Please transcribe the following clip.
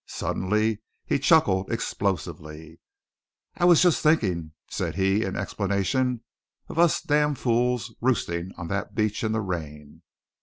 Suddenly he chuckled explosively. "I was just thinking," said he in explanation, "of us damfools roosting on that beach in the rain."